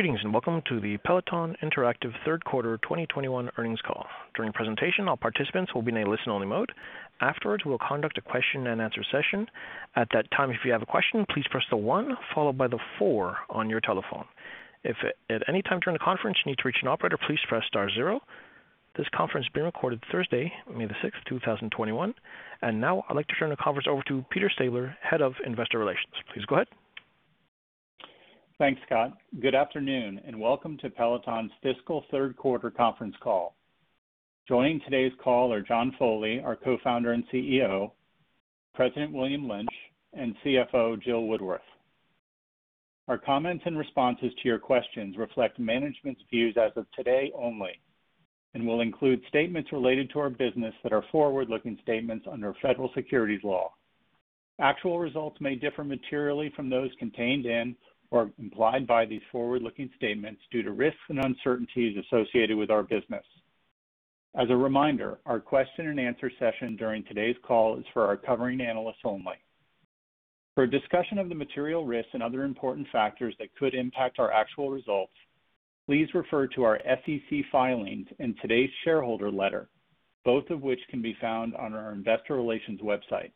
Greetings, and welcome to the Peloton Interactive third quarter 2021 earnings call. During the presentation, all the participants will be in a listen-only mode. Afterwads, we'll conduct a question and answer session. At that time, if you have a question please press the one followed by four on your telephone. If at anytime during the call you want to reach an operator, please star zero. This conference is being recorded Thursday, May 6th 2021. And now I'd like to turn the conference over to Peter Stabler, Head of Investor Relations. Please go ahead. Thanks, Scott. Good afternoon, and welcome to Peloton's fiscal third quarter conference call. Joining today's call are John Foley, our Co-founder and CEO, President William Lynch, and CFO Jill Woodworth. Our comments and responses to your questions reflect management's views as of today only and will include statements related to our business that are forward-looking statements under federal securities law. Actual results may differ materially from those contained in or implied by these forward-looking statements due to risks and uncertainties associated with our business. As a reminder, our question and answer session during today's call is for our covering analysts only. For a discussion of the material risks and other important factors that could impact our actual results, please refer to our SEC filings and today's shareholder letter, both of which can be found on our investor relations website.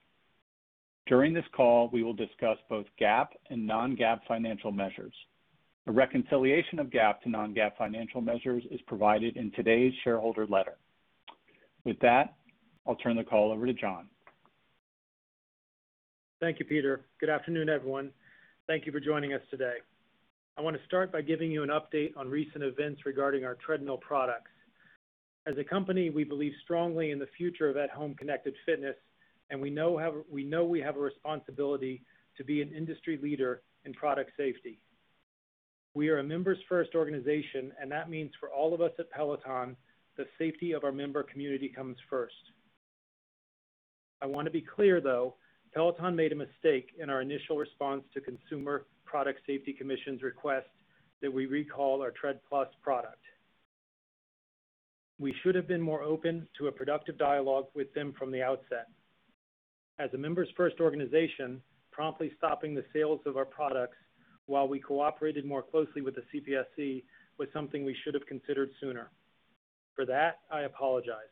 During this call, we will discuss both GAAP and non-GAAP financial measures. A reconciliation of GAAP to non-GAAP financial measures is provided in today's shareholder letter. With that, I'll turn the call over to John. Thank you, Peter. Good afternoon, everyone. Thank you for joining us today. I want to start by giving you an update on recent events regarding our treadmill products. As a company, we believe strongly in the future of at-home connected fitness, and we know we have a responsibility to be an industry leader in product safety. We are a members-first organization, and that means for all of us at Peloton, the safety of our member community comes first. I want to be clear, though, Peloton made a mistake in our initial response to Consumer Product Safety Commission's request that we recall our Tread+ product. We should have been more open to a productive dialogue with them from the outset. As a members-first organization, promptly stopping the sales of our products while we cooperated more closely with the CPSC was something we should have considered sooner. For that, I apologize.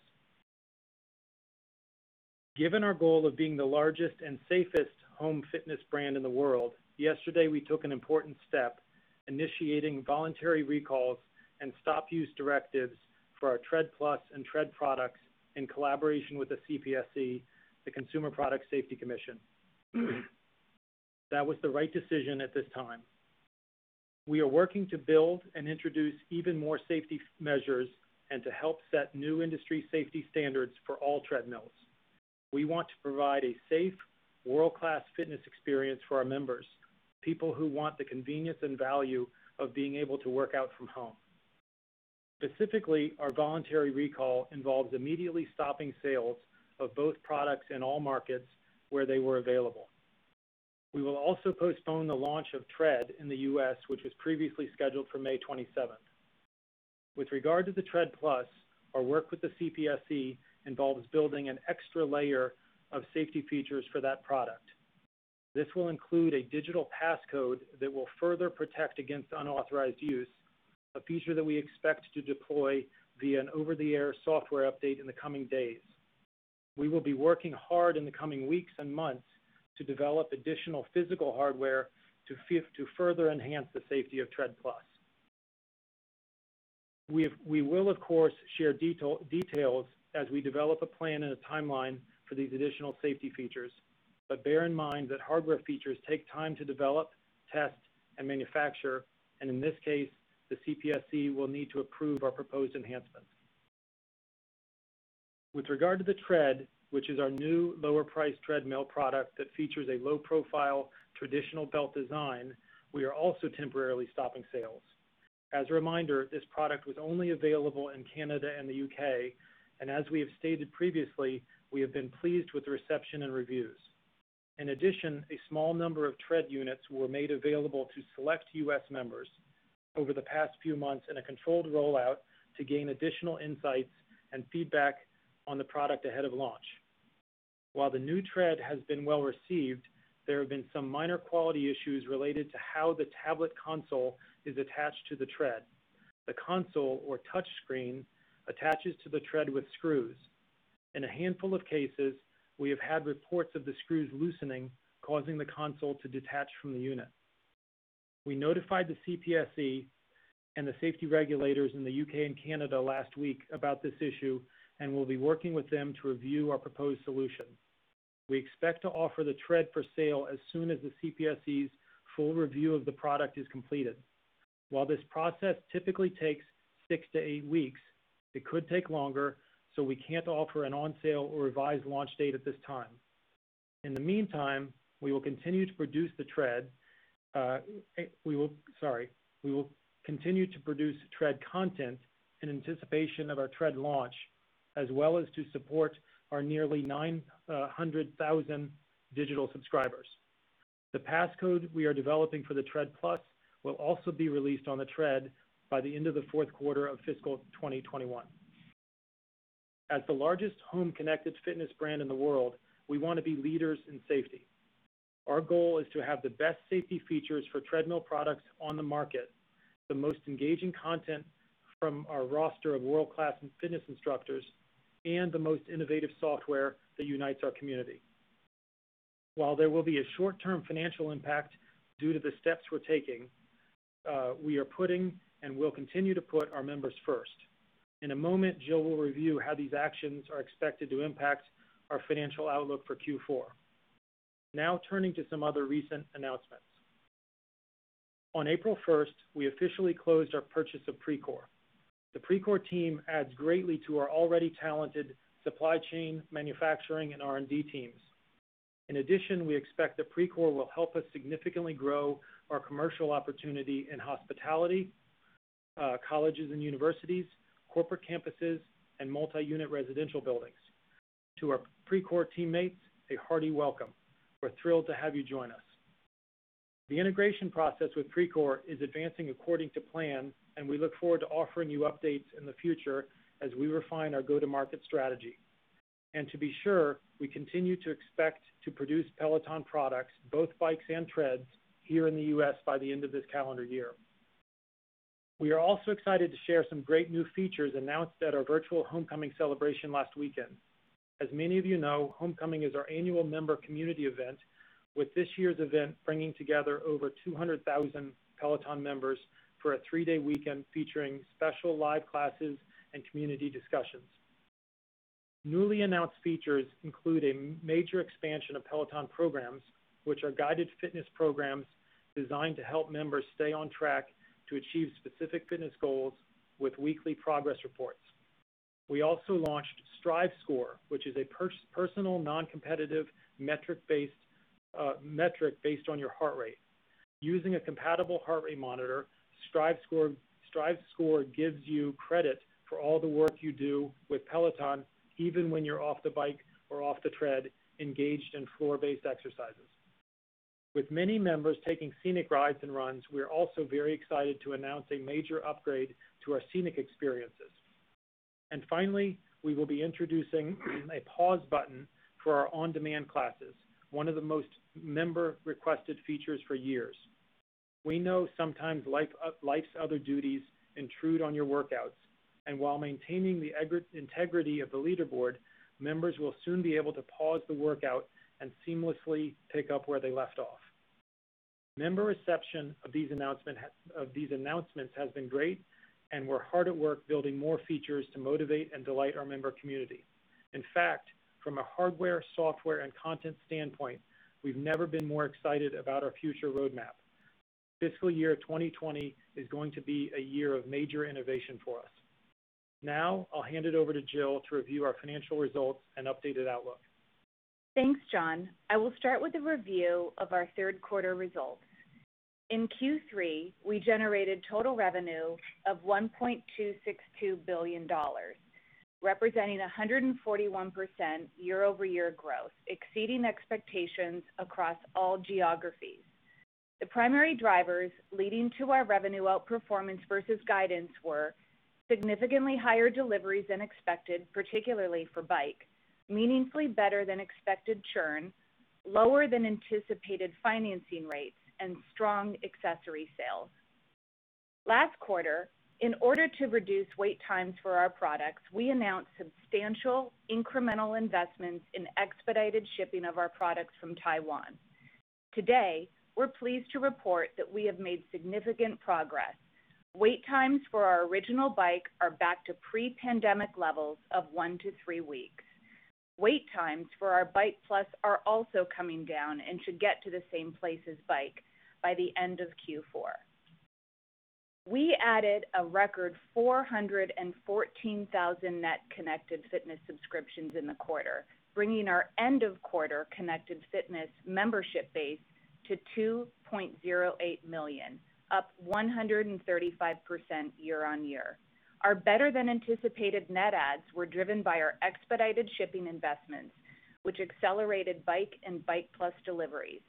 Given our goal of being the largest and safest home fitness brand in the world, yesterday, we took an important step initiating voluntary recalls and stop use directives for our Tread+ and Tread products in collaboration with the CPSC, the Consumer Product Safety Commission. That was the right decision at this time. We are working to build and introduce even more safety measures and to help set new industry safety standards for all treadmills. We want to provide a safe, world-class fitness experience for our members, people who want the convenience and value of being able to work out from home. Specifically, our voluntary recall involves immediately stopping sales of both products in all markets where they were available. We will also postpone the launch of Tread in the U.S., which was previously scheduled for May 27th. With regard to the Tread+, our work with the CPSC involves building an extra layer of safety features for that product. This will include a digital passcode that will further protect against unauthorized use, a feature that we expect to deploy via an over-the-air software update in the coming days. We will be working hard in the coming weeks and months to develop additional physical hardware to further enhance the safety of Tread+. We will, of course, share details as we develop a plan and a timeline for these additional safety features, but bear in mind that hardware features take time to develop, test, and manufacture, and in this case, the CPSC will need to approve our proposed enhancements. With regard to the Tread, which is our new lower-priced treadmill product that features a low-profile, traditional belt design, we are also temporarily stopping sales. As a reminder, this product was only available in Canada and the U.K., and as we have stated previously, we have been pleased with the reception and reviews. In addition, a small number of Tread units were made available to select U.S. members over the past few months in a controlled rollout to gain additional insights and feedback on the product ahead of launch. While the new Tread has been well-received, there have been some minor quality issues related to how the tablet console is attached to the Tread. The console or touchscreen attaches to the Tread with screws. In a handful of cases, we have had reports of the screws loosening, causing the console to detach from the unit. We notified the CPSC and the safety regulators in the U.K. and Canada last week about this issue and will be working with them to review our proposed solution. We expect to offer the Tread for sale as soon as the CPSC's full review of the product is completed. While this process typically takes six to eight weeks, it could take longer, so we can't offer an on-sale or revised launch date at this time. In the meantime, we will continue to produce Tread content in anticipation of our Tread launch, as well as to support our nearly 900,000 digital subscribers. The passcode we are developing for the Tread+ will also be released on the Tread by the end of the fourth quarter of fiscal 2021. As the largest home-connected fitness brand in the world, we want to be leaders in safety. Our goal is to have the best safety features for treadmill products on the market, the most engaging content from our roster of world-class fitness instructors, and the most innovative software that unites our community. While there will be a short-term financial impact due to the steps we're taking, we are putting, and will continue to put our members first. In a moment, Jill will review how these actions are expected to impact our financial outlook for Q4. Now turning to some other recent announcements. On April 1st, we officially closed our purchase of Precor. The Precor team adds greatly to our already talented supply chain, manufacturing, and R&D teams. In addition, we expect that Precor will help us significantly grow our commercial opportunity in hospitality, colleges and universities, corporate campuses, and multi-unit residential buildings. To our Precor teammates, a hearty welcome. We're thrilled to have you join us. The integration process with Precor is advancing according to plan, and we look forward to offering you updates in the future as we refine our go-to-market strategy. To be sure, we continue to expect to produce Peloton products, both Bikes and Treads, here in the U.S. by the end of this calendar year. We are also excited to share some great new features announced at our virtual Homecoming celebration last weekend. As many of you know, Homecoming is our annual member community event, with this year's event bringing together over 200,000 Peloton members for a three-day weekend featuring special live classes and community discussions. Newly announced features include a major expansion of Peloton Programs, which are guided fitness programs designed to help members stay on track to achieve specific fitness goals with weekly progress reports. We also launched Strive Score, which is a personal, non-competitive metric based on your heart rate. Using a compatible heart rate monitor, Strive Score gives you credit for all the work you do with Peloton, even when you're off the Bike or off the Tread, engaged in floor-based exercises. With many members taking scenic rides and runs, we're also very excited to announce a major upgrade to our scenic experiences. Finally, we will be introducing a pause button for our on-demand classes, one of the most member-requested features for years. We know sometimes life's other duties intrude on your workouts, and while maintaining the integrity of the leaderboard, members will soon be able to pause the workout and seamlessly pick up where they left off. Member reception of these announcements has been great, and we're hard at work building more features to motivate and delight our member community. In fact, from a hardware, software, and content standpoint, we've never been more excited about our future roadmap. Fiscal year 2020 is going to be a year of major innovation for us. Now, I'll hand it over to Jill to review our financial results and updated outlook. Thanks, John. I will start with a review of our third quarter results. In Q3, we generated total revenue of $1.262 billion, representing 141% year-over-year growth, exceeding expectations across all geographies. The primary drivers leading to our revenue outperformance versus guidance were significantly higher deliveries than expected, particularly for Bike, meaningfully better than expected churn, lower than anticipated financing rates, and strong accessory sales. Last quarter, in order to reduce wait times for our products, we announced substantial incremental investments in expedited shipping of our products from Taiwan. Today, we're pleased to report that we have made significant progress. Wait times for our original Bike are back to pre-pandemic levels of one to three weeks. Wait times for our Bike+ are also coming down and should get to the same place as Bike by the end of Q4. We added a record 414,000 net connected fitness subscriptions in the quarter, bringing our end-of-quarter connected fitness membership base to 2.08 million, up 135% year-on-year. Our better-than-anticipated net adds were driven by our expedited shipping investments, which accelerated Bike and Bike+ deliveries.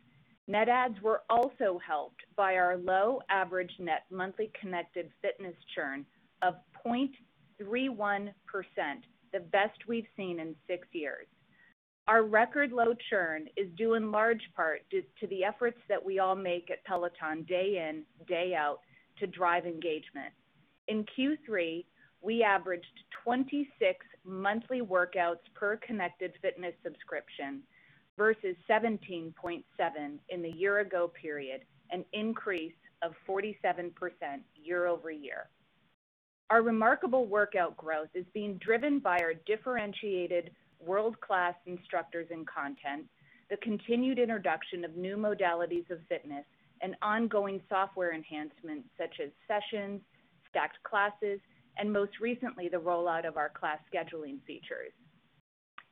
Net adds were also helped by our low average net monthly connected fitness churn of 0.31%, the best we've seen in six years. Our record-low churn is due in large part to the efforts that we all make at Peloton day in, day out, to drive engagement. In Q3, we averaged 26 monthly workouts per connected fitness subscription versus 17.7 in the year-ago period, an increase of 47% year-over-year. Our remarkable workout growth is being driven by our differentiated world-class instructors and content, the continued introduction of new modalities of fitness, and ongoing software enhancements such as sessions, stacked classes, and most recently, the rollout of our class scheduling features.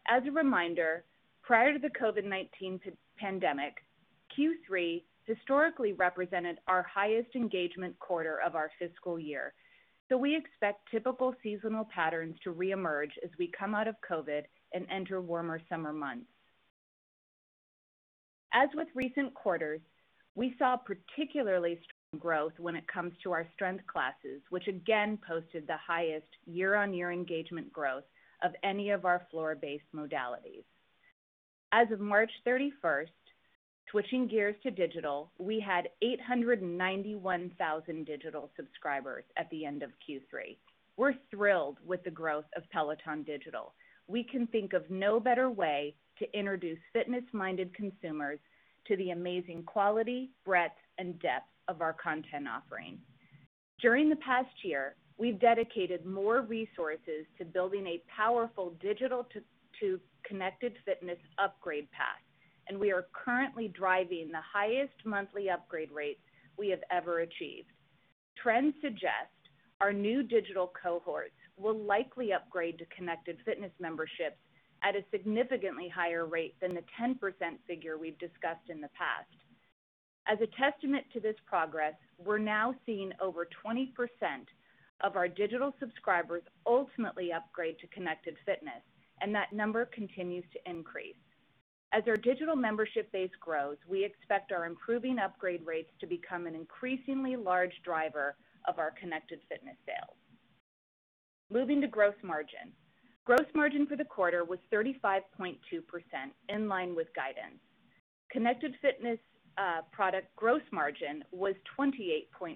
As a reminder, prior to the COVID-19 pandemic, Q3 historically represented our highest engagement quarter of our fiscal year. We expect typical seasonal patterns to reemerge as we come out of COVID and enter warmer summer months. As with recent quarters, we saw particularly strong growth when it comes to our strength classes, which again posted the highest year-on-year engagement growth of any of our floor-based modalities. As of March 31st, switching gears to digital, we had 891,000 digital subscribers at the end of Q3. We're thrilled with the growth of Peloton Digital. We can think of no better way to introduce fitness-minded consumers to the amazing quality, breadth, and depth of our content offering. During the past year, we've dedicated more resources to building a powerful digital to connected fitness upgrade path. We are currently driving the highest monthly upgrade rates we have ever achieved. Trends suggest our new digital cohorts will likely upgrade to connected fitness memberships at a significantly higher rate than the 10% figure we've discussed in the past. As a testament to this progress, we're now seeing over 20% of our digital subscribers ultimately upgrade to connected fitness, and that number continues to increase. As our digital membership base grows, we expect our improving upgrade rates to become an increasingly large driver of our connected fitness sales. Moving to gross margin. Gross margin for the quarter was 35.2%, in line with guidance. Connected fitness product gross margin was 28.4%.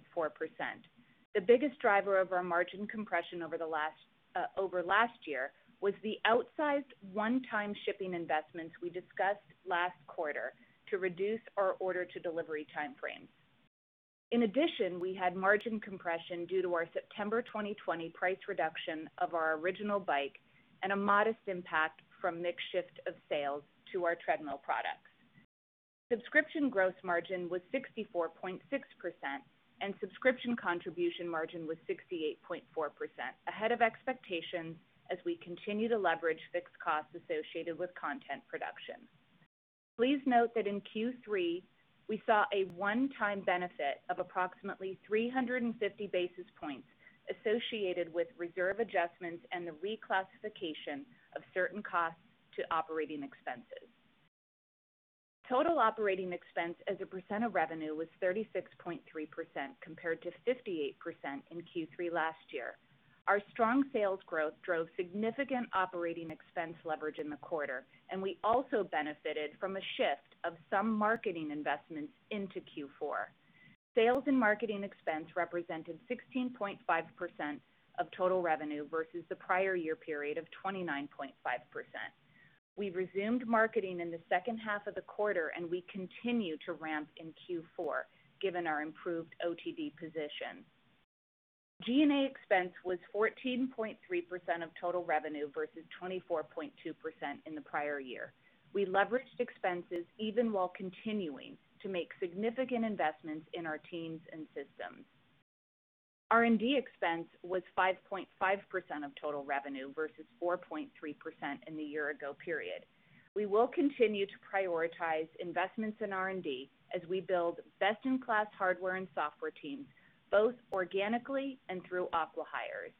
The biggest driver of our margin compression over last year was the outsized one-time shipping investments we discussed last quarter to reduce our order to delivery time frames. In addition, we had margin compression due to our September 2020 price reduction of our original Bike and a modest impact from mix shift of sales to our treadmill products. Subscription gross margin was 64.6% and subscription contribution margin was 68.4%, ahead of expectations, as we continue to leverage fixed costs associated with content production. Please note that in Q3, we saw a one-time benefit of approximately 350 basis points associated with reserve adjustments and the reclassification of certain costs to operating expenses. Total operating expense as a percent of revenue was 36.3%, compared to 58% in Q3 last year. Our strong sales growth drove significant operating expense leverage in the quarter. We also benefited from a shift of some marketing investments into Q4. Sales and marketing expense represented 16.5% of total revenue versus the prior year period of 29.5%. We resumed marketing in the second half of the quarter. We continue to ramp in Q4, given our improved OTD position. G&A expense was 14.3% of total revenue versus 24.2% in the prior year. We leveraged expenses even while continuing to make significant investments in our teams and systems. R&D expense was 5.5% of total revenue versus 4.3% in the year ago period. We will continue to prioritize investments in R&D as we build best-in-class hardware and software teams, both organically and through acquihires.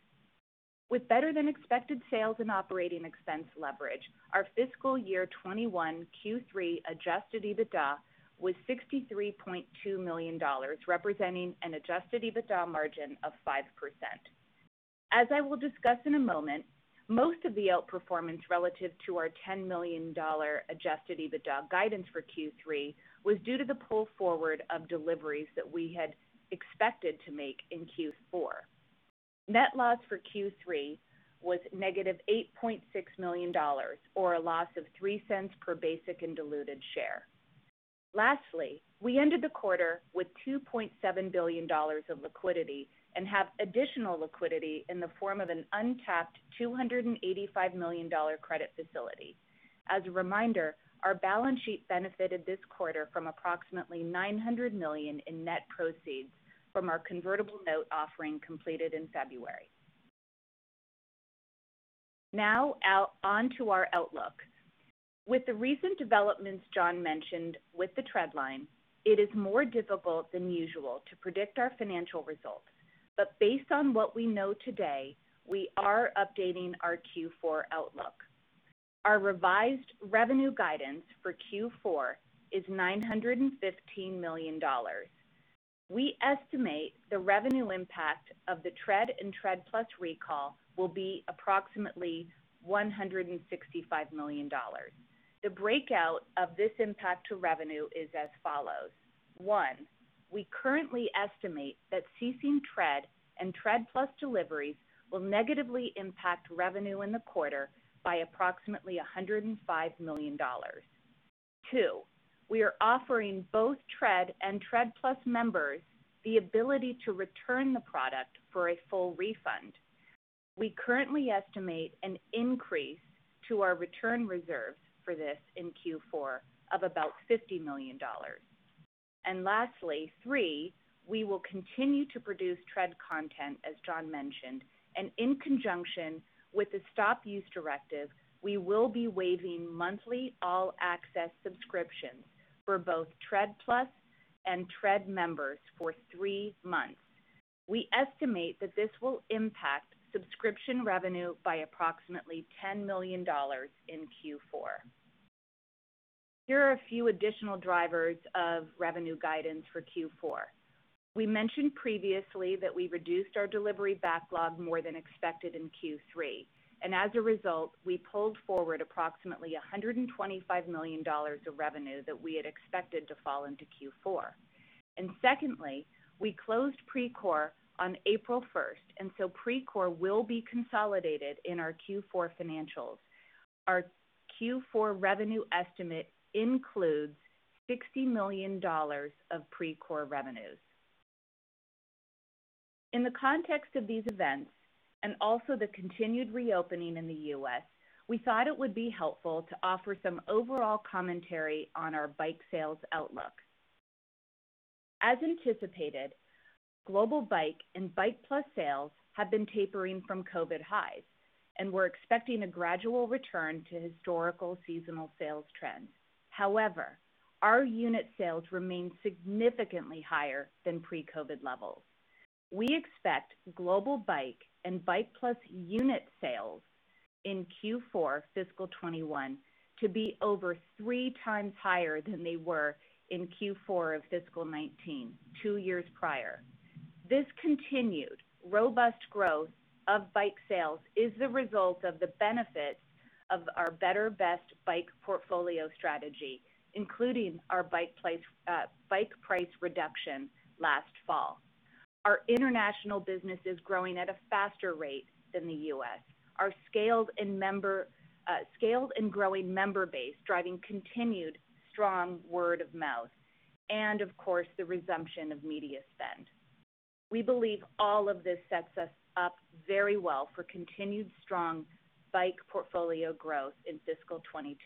With better-than-expected sales and operating expense leverage, our fiscal year 2021 Q3 Adjusted EBITDA was $63.2 million, representing an Adjusted EBITDA margin of 5%. As I will discuss in a moment, most of the outperformance relative to our $10 million Adjusted EBITDA guidance for Q3 was due to the pull forward of deliveries that we had expected to make in Q4. Net loss for Q3 was -$8.6 million, or a loss of $0.03 per basic and diluted share. Lastly, we ended the quarter with $2.7 billion of liquidity and have additional liquidity in the form of an untapped $285 million credit facility. As a reminder, our balance sheet benefited this quarter from approximately $900 million in net proceeds from our convertible note offering completed in February. Now, onto our outlook. With the recent developments John mentioned with the Tread line, it is more difficult than usual to predict our financial results. Based on what we know today, we are updating our Q4 outlook. Our revised revenue guidance for Q4 is $915 million. We estimate the revenue impact of the Tread and Tread+ recall will be approximately $165 million. The breakout of this impact to revenue is as follows. One, we currently estimate that ceasing Tread and Tread+ deliveries will negatively impact revenue in the quarter by approximately $105 million. Two, we are offering both Tread and Tread+ members the ability to return the product for a full refund. We currently estimate an increase to our return reserves for this in Q4 of about $50 million. Lastly, three, we will continue to produce Tread content, as John mentioned, and in conjunction with the stop-use directive, we will be waiving monthly All Access subscriptions for both Tread+ and Tread members for three months. We estimate that this will impact subscription revenue by approximately $10 million in Q4. Here are a few additional drivers of revenue guidance for Q4. We mentioned previously that we reduced our delivery backlog more than expected in Q3, and as a result, we pulled forward approximately $125 million of revenue that we had expected to fall into Q4. Secondly, we closed Precor on April 1st, so Precor will be consolidated in our Q4 financials. Our Q4 revenue estimate includes $60 million of Precor revenues. In the context of these events, and also the continued reopening in the U.S., we thought it would be helpful to offer some overall commentary on our Bike sales outlook. As anticipated, Global Bike and Bike+ sales have been tapering from COVID highs, and we're expecting a gradual return to historical seasonal sales trends. However, our unit sales remain significantly higher than pre-COVID levels. We expect Global Bike and Bike+ unit sales in Q4 fiscal 2021 to be over three times higher than they were in Q4 of fiscal 2019, two years prior. This continued robust growth of Bike sales is the result of the benefits of our Better Best Bike portfolio strategy, including our Bike price reduction last fall. Our international business is growing at a faster rate than the U.S. Our scaled and growing member base, driving continued strong word of mouth, and of course, the resumption of media spend. We believe all of this sets us up very well for continued strong Bike portfolio growth in fiscal 2022.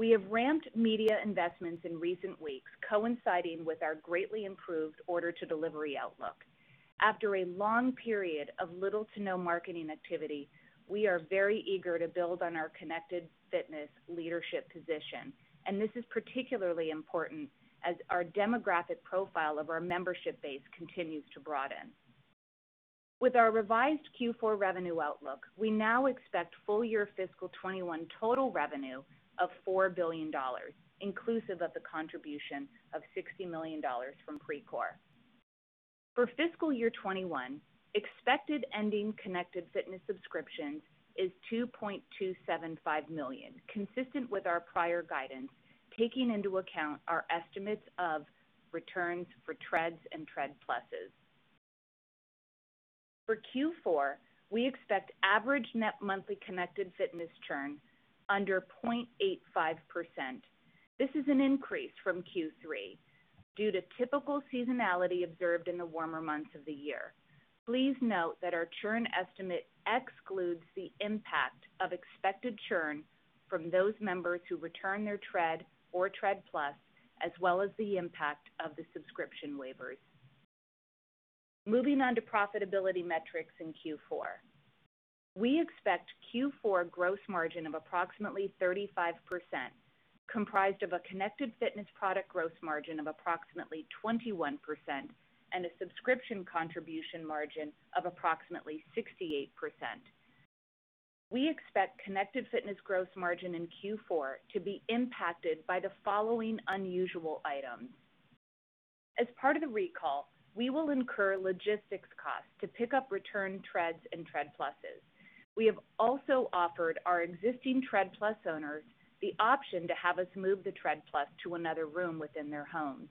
We have ramped media investments in recent weeks, coinciding with our greatly improved order to delivery outlook. After a long period of little to no marketing activity, we are very eager to build on our connected fitness leadership position, and this is particularly important as our demographic profile of our membership base continues to broaden. With our revised Q4 revenue outlook, we now expect full year fiscal 2021 total revenue of $4 billion, inclusive of the contribution of $60 million from Precor. For fiscal year 2021, expected ending connected fitness subscriptions is 2.275 million, consistent with our prior guidance, taking into account our estimates of returns for Treads and Tread+. For Q4, we expect average net monthly connected fitness churn under 0.85%. This is an increase from Q3 due to typical seasonality observed in the warmer months of the year. Please note that our churn estimate excludes the impact of expected churn from those members who return their Tread or Tread+, as well as the impact of the subscription waivers. Moving on to profitability metrics in Q4. We expect Q4 gross margin of approximately 35%, comprised of a connected fitness product gross margin of approximately 21% and a subscription contribution margin of approximately 68%. We expect connected fitness gross margin in Q4 to be impacted by the following unusual items. As part of the recall, we will incur logistics costs to pick up returned Treads and Tread+. We have also offered our existing Tread+ owners the option to have us move the Tread+ to another room within their homes.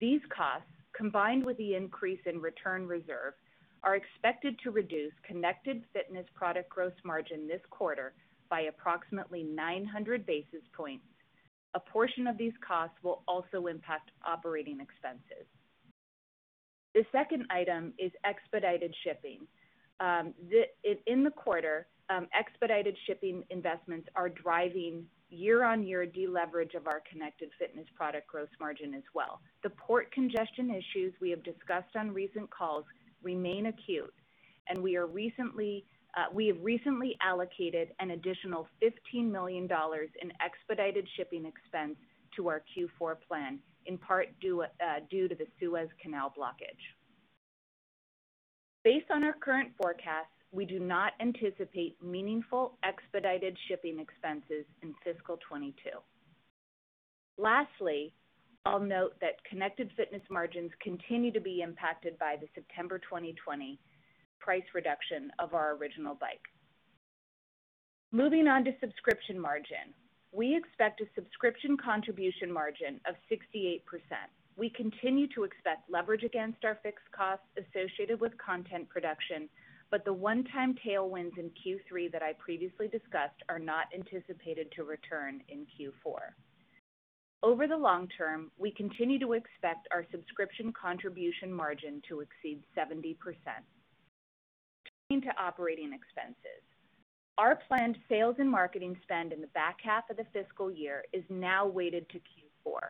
These costs, combined with the increase in return reserve, are expected to reduce connected fitness product gross margin this quarter by approximately 900 basis points. A portion of these costs will also impact operating expenses. The second item is expedited shipping. In the quarter, expedited shipping investments are driving year-on-year deleverage of our connected fitness product gross margin as well. The port congestion issues we have discussed on recent calls remain acute, and we have recently allocated an additional $15 million in expedited shipping expense to our Q4 plan, in part due to the Suez Canal blockage. Based on our current forecast, we do not anticipate meaningful expedited shipping expenses in fiscal 2022. Lastly, I'll note that connected fitness margins continue to be impacted by the September 2020 price reduction of our original Bike. Moving on to subscription margin. We expect a subscription contribution margin of 68%. We continue to expect leverage against our fixed costs associated with content production. The one-time tailwinds in Q3 that I previously discussed are not anticipated to return in Q4. Over the long term, we continue to expect our subscription contribution margin to exceed 70%. Turning to operating expenses. Our planned sales and marketing spend in the back half of the fiscal year is now weighted to Q4.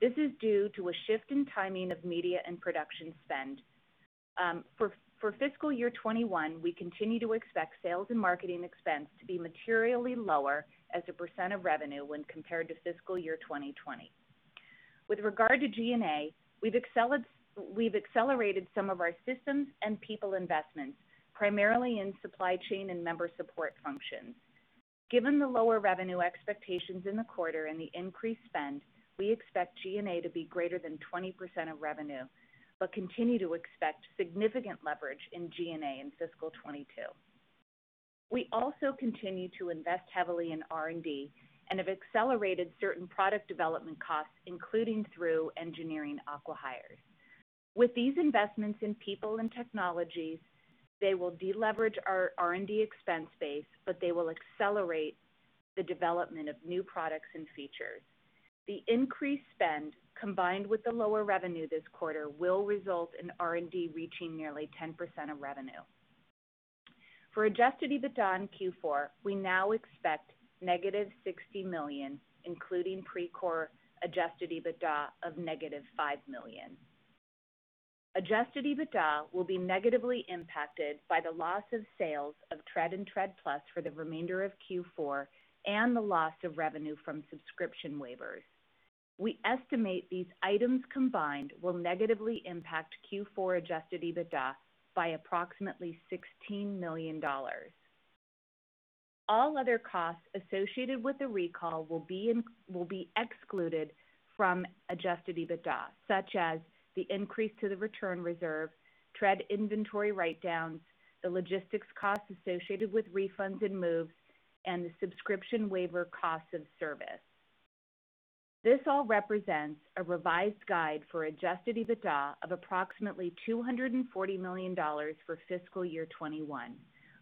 This is due to a shift in timing of media and production spend. For fiscal year 2021, we continue to expect sales and marketing expense to be materially lower as a percent of revenue when compared to fiscal year 2020. With regard to G&A, we've accelerated some of our systems and people investments, primarily in supply chain and member support functions. Given the lower revenue expectations in the quarter and the increased spend, we expect G&A to be greater than 20% of revenue, but continue to expect significant leverage in G&A in fiscal 2022. We also continue to invest heavily in R&D and have accelerated certain product development costs, including through engineering acquihires. With these investments in people and technologies, they will de-leverage our R&D expense base, but they will accelerate the development of new products and features. The increased spend, combined with the lower revenue this quarter, will result in R&D reaching nearly 10% of revenue. For Adjusted EBITDA in Q4, we now expect -$60 million, including Precor Adjusted EBITDA of -$5 million. Adjusted EBITDA will be negatively impacted by the loss of sales of Tread and Tread+ for the remainder of Q4 and the loss of revenue from subscription waivers. We estimate these items combined will negatively impact Q4 Adjusted EBITDA by approximately $16 million. All other costs associated with the recall will be excluded from Adjusted EBITDA, such as the increase to the return reserve, Tread inventory write-downs, the logistics costs associated with refunds and moves, and the subscription waiver cost of service. This all represents a revised guide for Adjusted EBITDA of approximately $240 million for fiscal year 2021.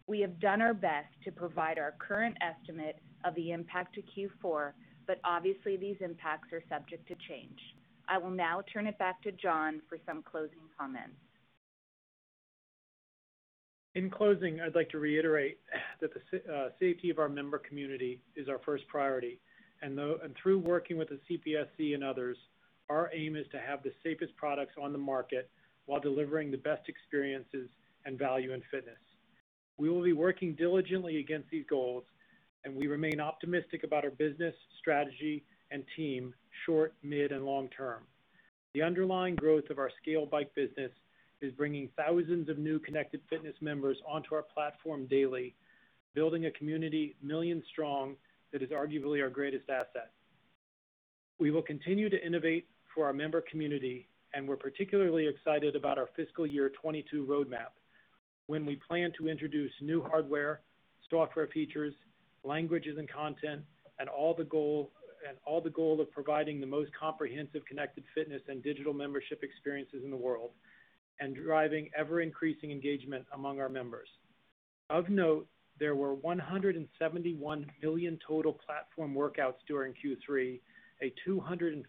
We have done our best to provide our current estimate of the of the impact to Q4, but obviously these impacts are subject to change. I will now turn it back to John for some closing comments. In closing, I'd like to reiterate that the safety of our member community is our first priority. Through working with the CPSC and others, our aim is to have the safest products on the market while delivering the best experiences and value in fitness. We will be working diligently against these goals, we remain optimistic about our business, strategy, and team, short, mid, and long term. The underlying growth of our scale Bike business is bringing thousands of new connected fitness members onto our platform daily, building a community millions strong that is arguably our greatest asset. We will continue to innovate for our member community, and we're particularly excited about our fiscal year 2022 roadmap, when we plan to introduce new hardware, software features, languages and content, and all the goal of providing the most comprehensive connected fitness and digital membership experiences in the world, and driving ever-increasing engagement among our members. Of note, there were 171 million total platform workouts during Q3, a 258%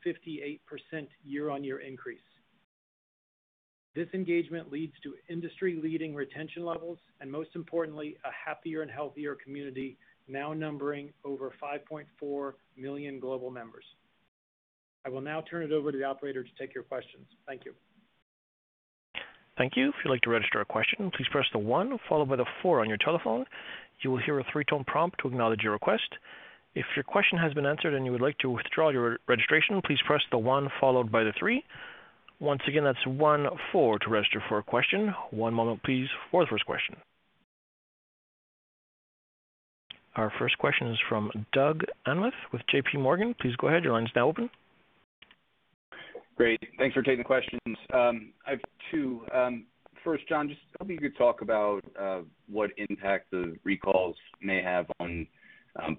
year-over-year increase. This engagement leads to industry-leading retention levels, and most importantly, a happier and healthier community now numbering over 5.4 million global members. I will now turn it over to the operator to take your questions. Thank you. Thank you. If you'd like to register a question, please press the one followed by the four on your telephone. You will hear a three-tone prompt to acknowledge your request. If your question has been answered and you would like to withdraw your registration, please press the one followed by the three. Once again, that's one, four to register for a question. One moment please for the first question. Our first question is from Doug Anmuth with JPMorgan. Please go ahead, your line is now open. Great. Thanks for taking the questions. I have two. First, John, just maybe you could talk about what impact the recalls may have on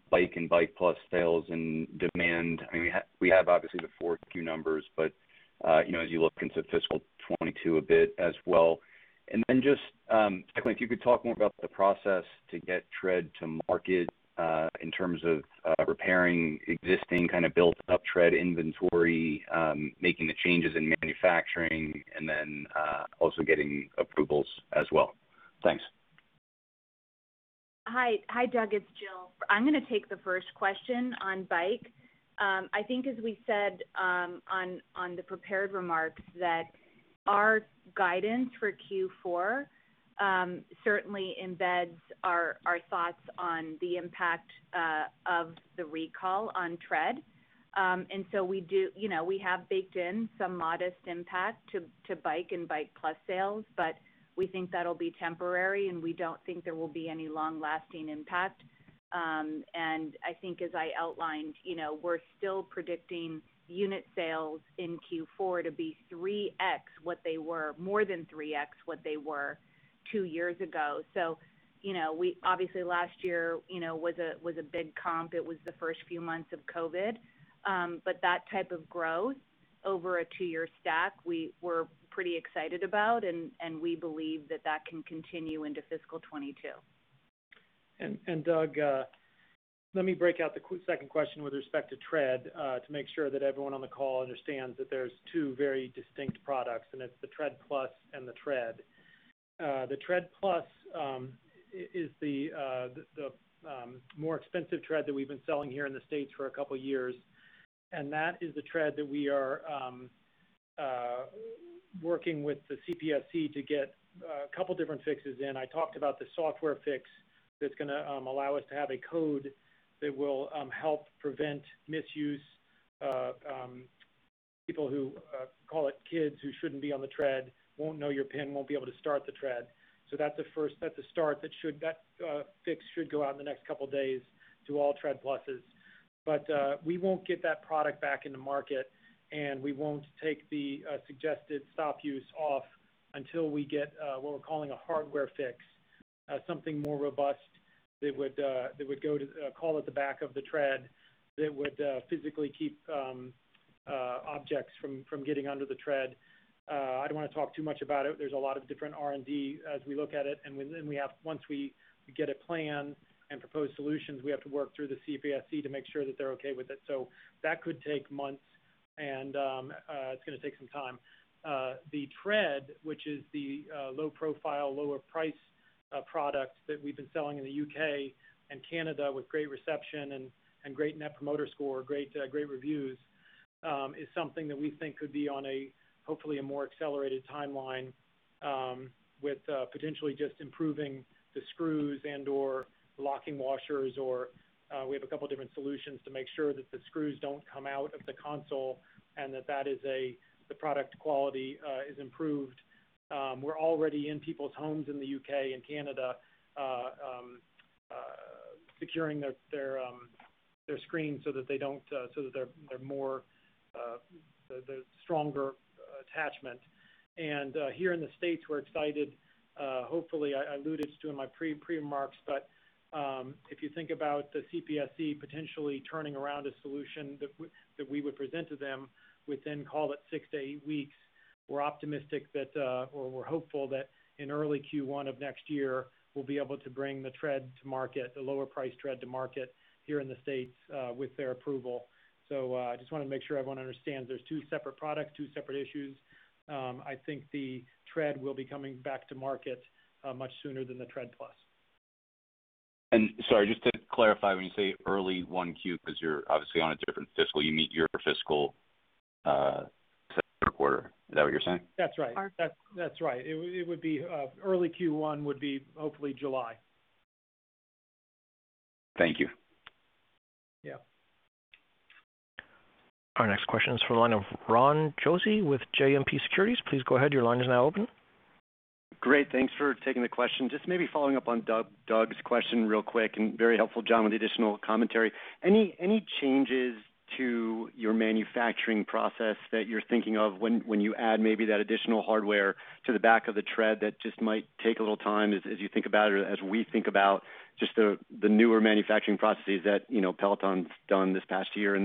Bike and Bike+ sales and demand. We have, obviously, the 4Q numbers, as you look into fiscal 2022 a bit as well. Just, I think if you could talk more about the process to get Tread to market in terms of repairing existing built-up Tread inventory, making the changes in manufacturing, and then also getting approvals as well. Thanks. Hi, Doug. It's Jill. I'm gonna take the first question on Bike. I think as we said on the prepared remarks, that our guidance for Q4 certainly embeds our thoughts on the impact of the recall on Tread. We have baked in some modest impact to Bike and Bike+ sales, but we think that'll be temporary, and we don't think there will be any long-lasting impact. I think as I outlined, we're still predicting unit sales in Q4 to be 3x what they were, more than 3x what they were two years ago. Obviously last year was a big comp. It was the first few months of COVID. That type of growth over a two-year stack, we're pretty excited about and we believe that that can continue into fiscal 2022. Doug, let me break out the second question with respect to Tread, to make sure that everyone on the call understands that there's two very distinct products, and it's the Tread+ and the Tread. The Tread+ is the more expensive Tread that we've been selling here in the U.S. for a couple of years. That is the Tread that we are working with the CPSC to get a couple different fixes in. I talked about the software fix that's going to allow us to have a code that will help prevent misuse. People who, call it kids who shouldn't be on the Tread, won't know your PIN, won't be able to start the Tread. That's a start. That fix should go out in the next couple of days to all Tread+. We won't get that product back in the market, and we won't take the suggested stop use off until we get what we're calling a hardware fix. Something more robust that would go to, call it, the back of the Tread, that would physically keep objects from getting under the Tread. I don't want to talk too much about it. There's a lot of different R&D as we look at it, and then once we get a plan and proposed solutions, we have to work through the CPSC to make sure that they're okay with it. That could take months, and it's going to take some time. The Tread, which is the low profile, lower price product that we've been selling in the U.K. and Canada with great reception and great Net Promoter Score, great reviews, is something that we think could be on, hopefully, a more accelerated timeline with potentially just improving the screws and/or locking washers or we have a couple different solutions to make sure that the screws don't come out of the console and that the product quality is improved. We're already in people's homes in the U.K. and Canada, securing their screen so that there's stronger attachment. Here in the U.S., we're excited. Hopefully, I alluded to in my pre-remarks, but, if you think about the CPSC potentially turning around a solution that we would present to them, we then call it six, eight weeks. We're optimistic that, or we're hopeful that in early Q1 of next year, we'll be able to bring the Tread to market, the lower price Tread to market here in the States, with their approval. Just want to make sure everyone understands there's two separate products, two separate issues. I think the Tread will be coming back to market much sooner than the Tread+. Sorry, just to clarify, when you say early 1Q, because you're obviously on a different fiscal, you mean your fiscal second quarter. Is that what you're saying? That's right. Early Q1 would be hopefully July. Thank you. Yeah. Our next question is for the line of Ron Josey with JMP Securities. Please go ahead. Great. Thanks for taking the question. Just maybe following up on Doug's question real quick and very helpful, John, with the additional commentary. Any changes to your manufacturing process that you're thinking of when you add maybe that additional hardware to the back of the Tread that just might take a little time as you think about it, or as we think about just the newer manufacturing processes that Peloton's done this past year?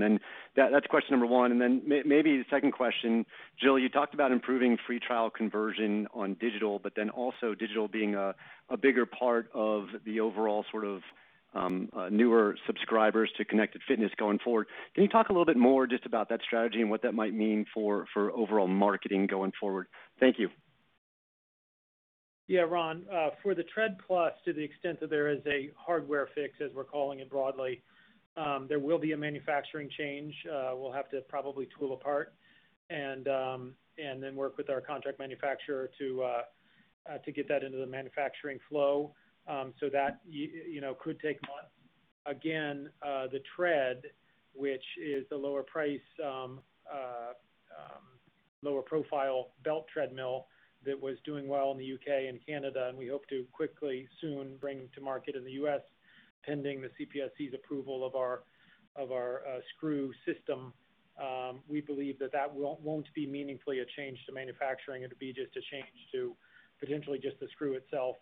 That's question number one, maybe the second question. Jill, you talked about improving free trial conversion on digital, also digital being a bigger part of the overall sort of newer subscribers to connected fitness going forward. Can you talk a little bit more just about that strategy and what that might mean for overall marketing going forward? Thank you. Yeah, Ron. For the Tread+, to the extent that there is a hardware fix, as we're calling it broadly, there will be a manufacturing change. We'll have to probably tool apart and then work with our contract manufacturer to get that into the manufacturing flow. That could take months. Again, the Tread, which is the lower price, lower profile belt treadmill that was doing well in the U.K. and Canada, and we hope to quickly, soon bring to market in the U.S., pending the CPSC's approval of our screw system. We believe that that won't be meaningfully a change to manufacturing. It'll be just a change to potentially just the screw itself.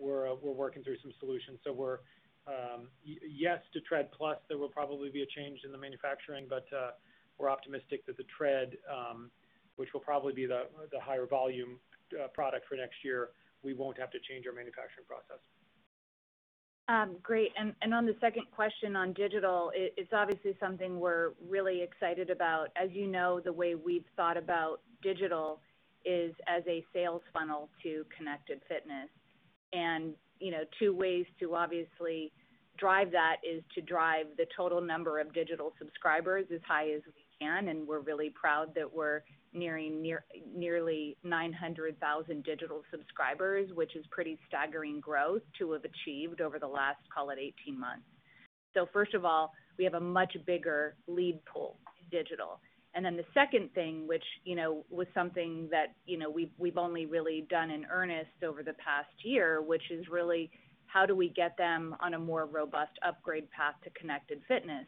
We're working through some solutions. We're, yes, to Tread+, there will probably be a change in the manufacturing, but we're optimistic that the Tread, which will probably be the higher volume product for next year, we won't have to change our manufacturing process. Great. On the second question on digital, it's obviously something we're really excited about. As you know, the way we've thought about digital is as a sales funnel to connected fitness. Two ways to obviously drive that is to drive the total number of digital subscribers as high as we can. We're really proud that we're nearing nearly 900,000 digital subscribers, which is pretty staggering growth to have achieved over the last, call it, 18 months. First of all, we have a much bigger lead pool in digital. Then the second thing, which was something that we've only really done in earnest over the past year, which is really how do we get them on a more robust upgrade path to connected fitness?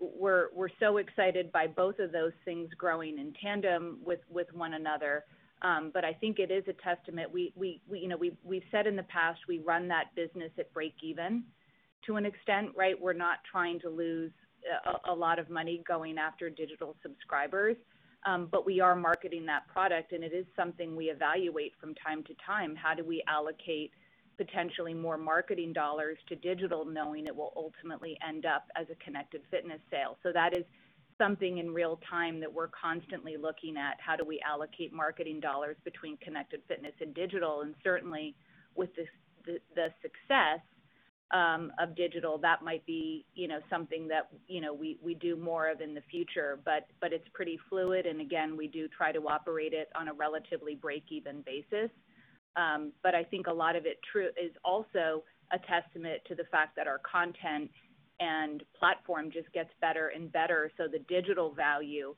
We're so excited by both of those things growing in tandem with one another. I think it is a testament. We've said in the past, we run that business at break-even to an extent, right? We're not trying to lose a lot of money going after digital subscribers. We are marketing that product, and it is something we evaluate from time to time. How do we allocate potentially more marketing dollars to digital, knowing it will ultimately end up as a connected fitness sale? That is something in real time that we're constantly looking at. How do we allocate marketing dollars between connected fitness and digital? Certainly, with the success of digital, that might be something that we do more of in the future. It's pretty fluid, and again, we do try to operate it on a relatively break-even basis. I think a lot of it is also a testament to the fact that our content and platform just gets better and better, so the digital value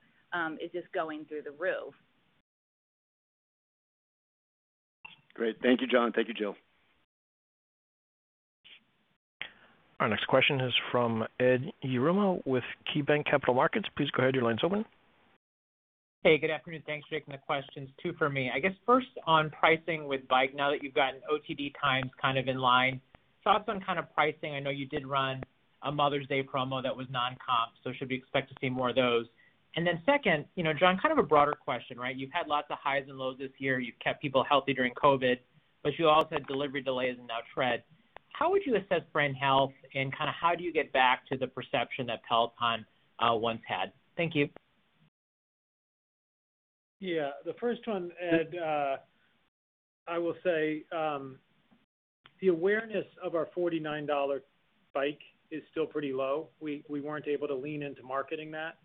is just going through the roof. Great. Thank you, John. Thank you, Jill. Our next question is from Ed Yruma with KeyBanc Capital Markets. Please go ahead. Your line is open. Hey, good afternoon. Thanks for taking my questions. Two for me. I guess first on pricing with Bike, now that you've gotten OTD times kind of in line, thoughts on kind of pricing. I know you did run a Mother's Day promo that was non-comp, so should we expect to see more of those? Then second, John, kind of a broader question, right? You've had lots of highs and lows this year. You've kept people healthy during COVID, but you also had delivery delays and now Tread. How would you assess brand health, and how do you get back to the perception that Peloton once had? Thank you. Yeah. The first one, Ed, I will say, the awareness of our $49 Bike is still pretty low. We weren't able to lean into marketing that.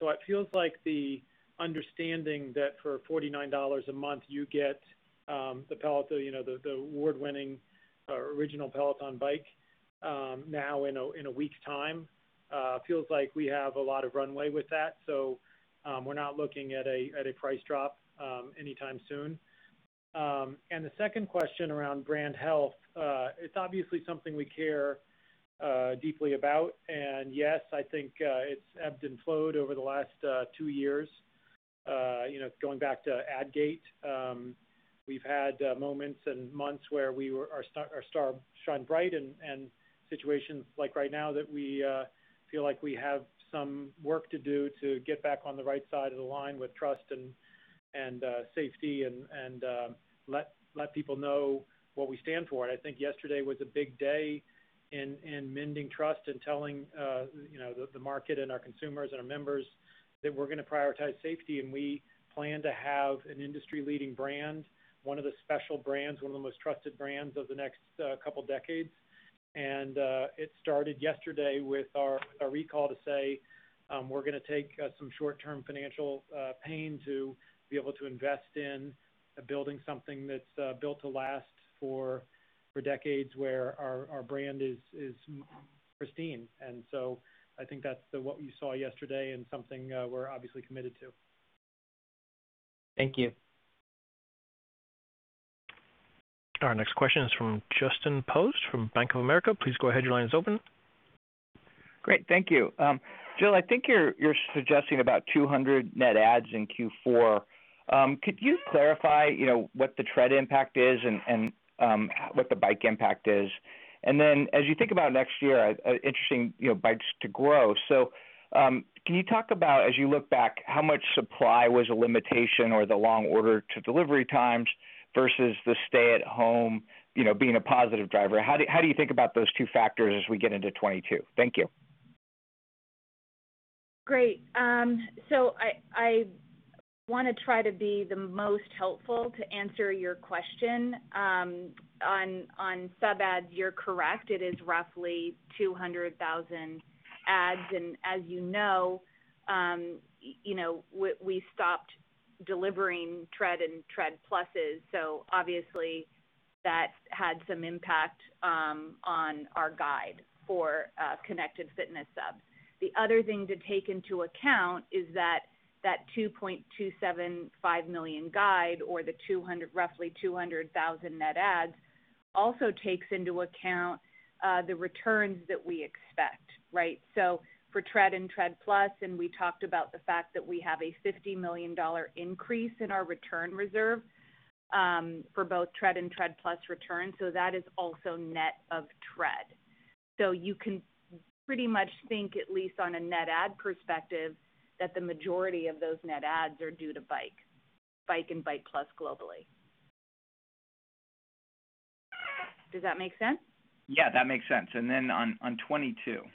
It feels like the understanding that for $49 a month, you get the award-winning original Peloton Bike now in a week's time. Feels like we have a lot of runway with that. We're not looking at a price drop anytime soon. The second question around brand health, it's obviously something we care deeply about. Yes, I think it's ebbed and flowed over the last two years. Going back to AdGate, we've had moments and months where our star shone bright and situations like right now that we feel like we have some work to do to get back on the right side of the line with trust and safety and let people know what we stand for. I think yesterday was a big day in mending trust and telling the market and our consumers and our members that we're going to prioritize safety, and we plan to have an industry-leading brand, one of the special brands, one of the most trusted brands of the next couple decades. It started yesterday with our recall to say we're going to take some short-term financial pain to be able to invest in building something that's built to last for decades, where our brand is pristine. I think that's what you saw yesterday and something we're obviously committed to. Thank you. Our next question is from Justin Post from Bank of America. Please go ahead. Great. Thank you. Jill, I think you're suggesting about 200 net adds in Q4. Could you clarify what the Tread impact is and what the Bike impact is? As you think about next year, interesting, Bikes to grow. Can you talk about, as you look back, how much supply was a limitation or the long order to delivery times versus the stay-at-home being a positive driver? How do you think about those two factors as we get into 2022? Thank you. Great. I want to try to be the most helpful to answer your question. On sub adds, you're correct. It is roughly 200,000 adds. As you know, we stopped delivering Tread and Tread+, obviously that had some impact on our guide for connected fitness subs. The other thing to take into account is that that 2.275 million guide or the roughly 200,000 net adds also takes into account the returns that we expect. Right? For Tread and Tread+, and we talked about the fact that we have a $50 million increase in our return reserve for both Tread and Tread+ returns, so that is also net of Tread. You can pretty much think, at least on a net add perspective, that the majority of those net adds are due to Bike and Bike+ globally. Does that make sense? Yeah, that makes sense. Then on 2022. For 2022 net adds-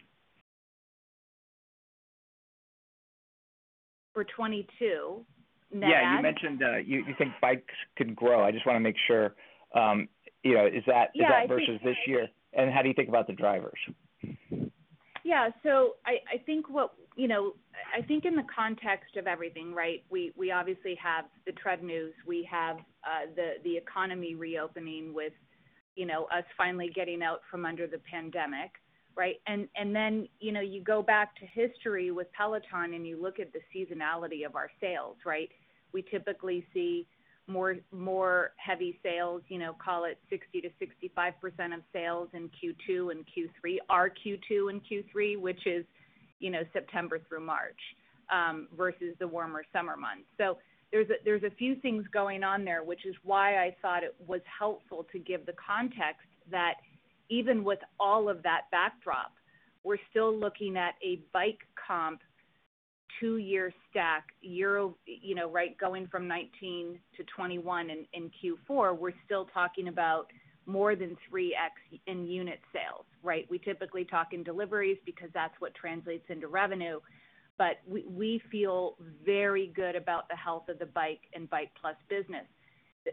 Yeah, you mentioned you think Bikes could grow. I just want to make sure, is that versus this year? How do you think about the drivers? Yeah. I think in the context of everything, right, we obviously have the Tread news. We have the economy reopening with us finally getting out from under the pandemic, right? You go back to history with Peloton, and you look at the seasonality of our sales, right? We typically see more heavy sales, call it 60%-65% of sales in Q2 and Q3, our Q2 and Q3, which is September through March, versus the warmer summer months. There's a few things going on there, which is why I thought it was helpful to give the context that even with all of that backdrop, we're still looking at a Bike comp two-year stack, going from 2019 to 2021 in Q4, we're still talking about more than 3x in unit sales. We typically talk in deliveries because that's what translates into revenue. We feel very good about the health of the Bike and Bike+ business.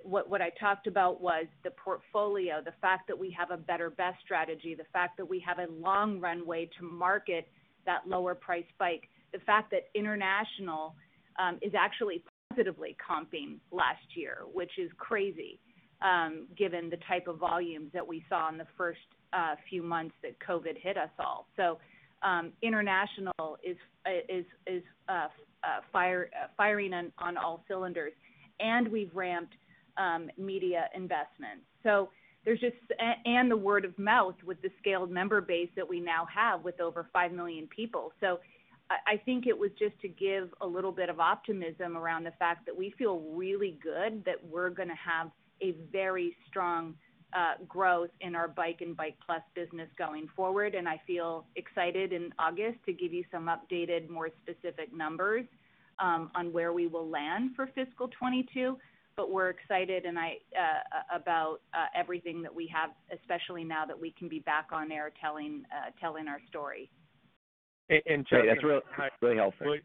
What I talked about was the portfolio, the fact that we have a better best strategy, the fact that we have a long runway to market that lower price Bike. The fact that international is actually positively comping last year, which is crazy, given the type of volumes that we saw in the first few months that COVID-19 hit us all. International is firing on all cylinders, and we've ramped media investments. The word of mouth with the scaled member base that we now have with over 5 million people. I think it was just to give a little bit of optimism around the fact that we feel really good that we're going to have a very strong growth in our Bike and Bike+ business going forward. I feel excited in August to give you some updated, more specific numbers, on where we will land for fiscal 2022. We're excited about everything that we have, especially now that we can be back on air telling our story. And Jill- That's really helpful.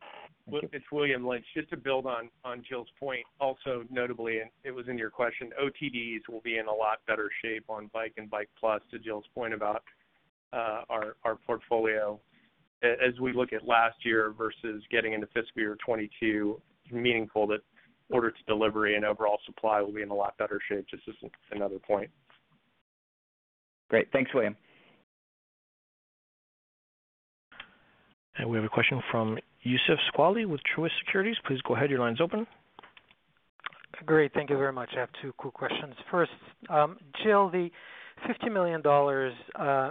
It's William Lynch. Just to build on Jill's point, also notably, and it was in your question, OTDs will be in a lot better shape on Bike and Bike+ to Jill's point about our portfolio. As we look at last year versus getting into fiscal year 2022, meaningful order to delivery and overall supply will be in a lot better shape. Just as another point. Great. Thanks, William. We have a question from Youssef Squali with Truist Securities. Please go ahead. Your line is open. Great. Thank you very much. I have two quick questions. First, Jill, the $50 million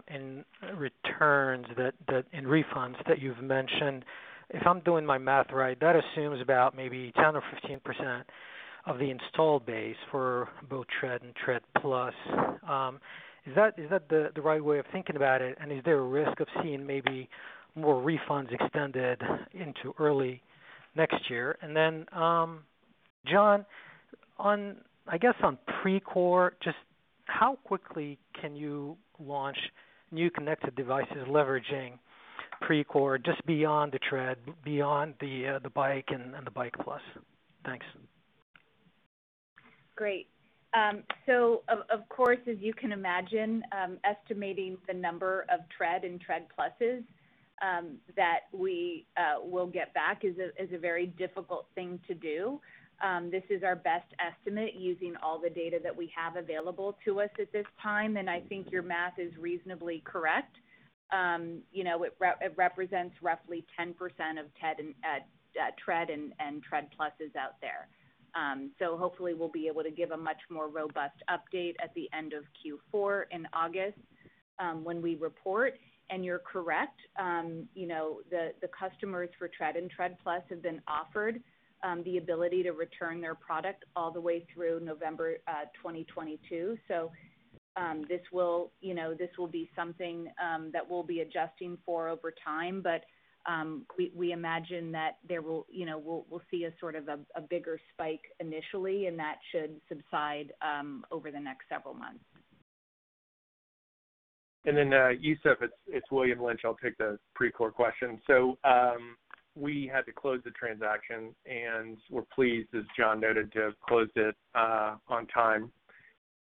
in returns and refunds that you've mentioned, if I'm doing my math right, that assumes about maybe 10% or 15% of the installed base for both Tread and Tread+. Is that the right way of thinking about it? Is there a risk of seeing maybe more refunds extended into early next year? John, I guess on Precor, just how quickly can you launch new connected devices leveraging Precor just beyond the Tread, beyond the Bike and the Bike+? Thanks. Great. Of course, as you can imagine, estimating the number of Tread and Tread+ that we will get back is a very difficult thing to do. This is our best estimate using all the data that we have available to us at this time, and I think your math is reasonably correct. It represents roughly 10% of Tread and Tread+ out there. Hopefully we'll be able to give a much more robust update at the end of Q4 in August, when we report. You're correct. The customers for Tread and Tread+ have been offered the ability to return their product all the way through November 2022. This will be something that we'll be adjusting for over time, but we imagine that we'll see a sort of a bigger spike initially, and that should subside over the next several months. Youssef, it's William Lynch. I'll take the Precor question. We had to close the transaction, and we're pleased, as John noted, to have closed it on time.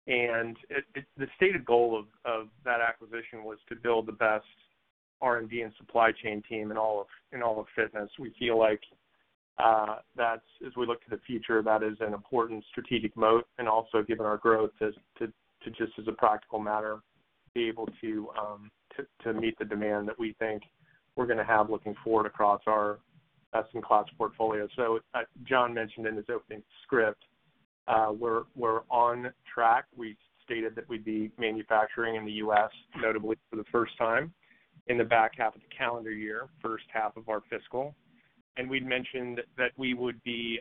The stated goal of that acquisition was to build the best R&D and supply chain team in all of fitness. We feel like as we look to the future, that is an important strategic moat, also given our growth to just as a practical matter, be able to meet the demand that we think we're going to have looking forward across our best-in-class portfolio. John mentioned in his opening script, we're on track. We stated that we'd be manufacturing in the U.S., notably for the first time in the back half of the calendar year, first half of our fiscal. We'd mentioned that we would be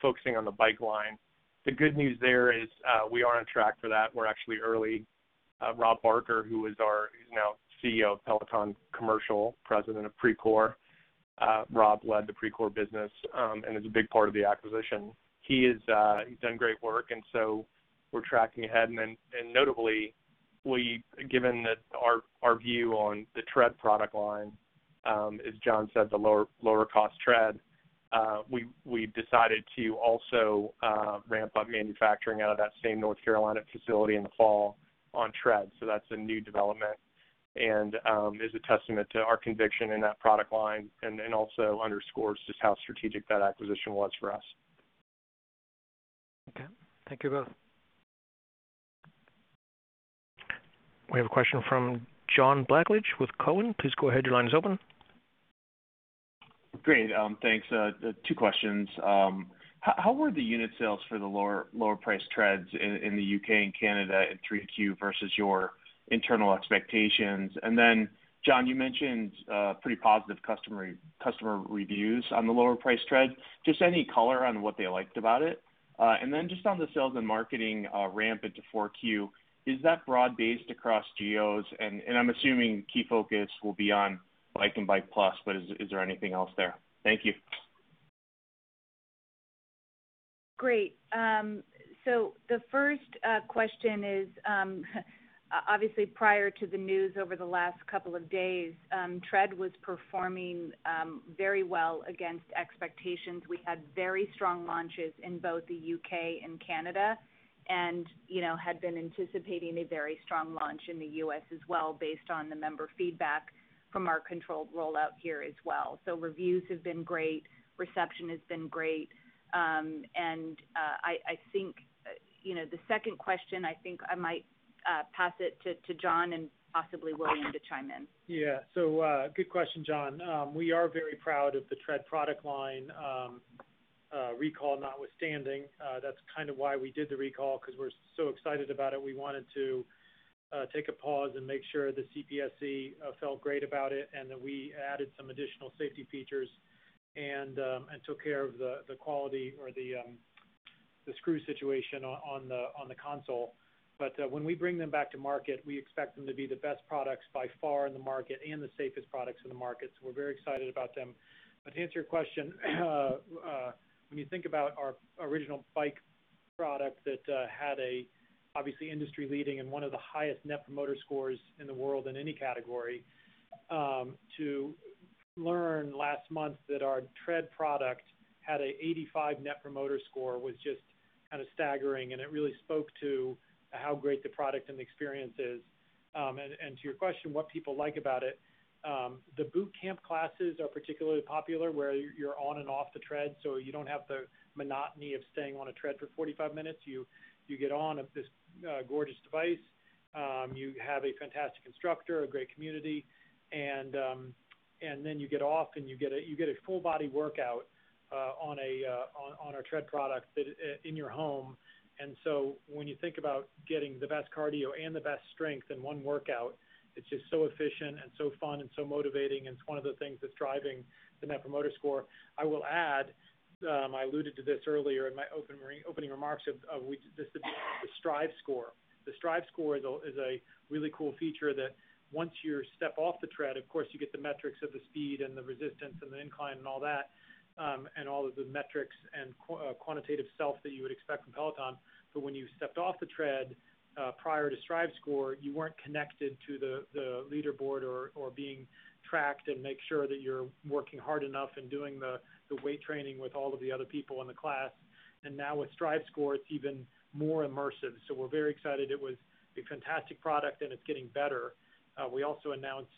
focusing on the Bike line. The good news there is we are on track for that. We're actually early. Rob Barker, who's now CEO of Peloton Commercial, President of Precor. Rob led the Precor business, and is a big part of the acquisition. He's done great work, and so we're tracking ahead. Notably, given that our view on the Tread product line, as John said, the lower cost Tread, we decided to also ramp up manufacturing out of that same North Carolina facility in the fall on Tread. That's a new development and is a testament to our conviction in that product line and also underscores just how strategic that acquisition was for us. Okay. Thank you both. We have a question from John Blackledge with Cowen. Please go ahead. Your line is open. Great, thanks. Two questions. How were the unit sales for the lower price Treads in the U.K. and Canada in 3Q versus your internal expectations? John, you mentioned pretty positive customer reviews on the lower price Tread. Just any color on what they liked about it? Just on the sales and marketing ramp into 4Q, is that broad-based across geos? I'm assuming key focus will be on Bike and Bike+, but is there anything else there? Thank you. Great. The first question is, obviously prior to the news over the last couple of days, Tread was performing very well against expectations. We had very strong launches in both the U.K. and Canada and had been anticipating a very strong launch in the U.S. as well based on the member feedback from our controlled rollout here as well. Reviews have been great, reception has been great. The second question, I think I might pass it to John and possibly William to chime in. Yeah. Good question, John. We are very proud of the Tread product line, recall notwithstanding. That's kind of why we did the recall, because we're so excited about it, we wanted to take a pause and make sure the CPSC felt great about it, and that we added some additional safety features and took care of the quality or the screw situation on the console. When we bring them back to market, we expect them to be the best products by far in the market and the safest products in the market. We're very excited about them. To answer your question, when you think about our original Bike product that had a, obviously industry-leading and one of the highest Net Promoter Scores in the world in any category, to learn last month that our Tread product had a 85 Net Promoter Score was just kind of staggering. It really spoke to how great the product and the experience is. To your question, what people like about it, the boot camp classes are particularly popular where you're on and off the Tread, so you don't have the monotony of staying on a Tread for 45 minutes. You get on this gorgeous device, you have a fantastic instructor, a great community, and then you get off and you get a full body workout on our Tread product in your home. When you think about getting the best cardio and the best strength in one workout, it's just so efficient and so fun and so motivating, and it's one of the things that's driving the Net Promoter Score. I will add, I alluded to this earlier in my opening remarks, this would be the Strive Score. The Strive Score is a really cool feature that once you step off the Tread, of course, you get the metrics of the speed and the resistance and the incline and all that, and all of the metrics and quantified self that you would expect from Peloton. When you stepped off the Tread, prior to Strive Score, you weren't connected to the leaderboard or being tracked and make sure that you're working hard enough and doing the weight training with all of the other people in the class. Now with Strive Score, it's even more immersive. We're very excited. It was a fantastic product, and it's getting better. We also announced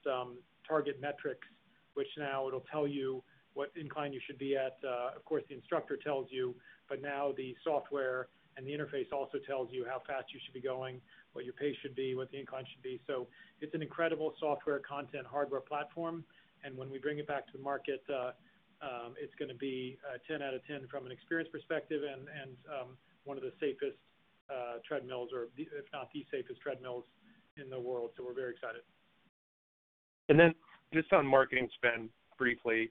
Target Metrics, which now it'll tell you what incline you should be at. Of course, the instructor tells you, but now the software and the interface also tells you how fast you should be going, what your pace should be, what the incline should be. It's an incredible software content, hardware platform. When we bring it back to the market, it's going to be a 10 out of 10 from an experience perspective and one of the safest treadmills or if not the safest treadmills in the world, we're very excited. Just on marketing spend briefly.